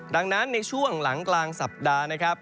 ดังนั้นในช่วงหลังกลางสัปดาห์นะครับ